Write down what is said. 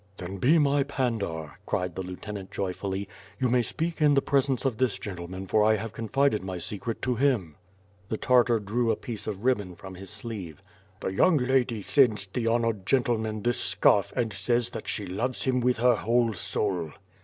"Then be my Pandar," cried the lieutenant joyfully. "You may speak in the presence of this gentleman for 1 have con fided my secret to him." The Tartar drew a piece of ribbon from his sleeve. "The young lady sends the honored gentleman this scarf and says that she loves him with her whole soul."